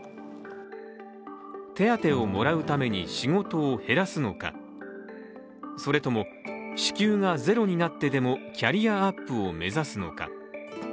手当をもらうために仕事を減らすのか、それとも支給がゼロになってでもキャリアアップを目指すのか。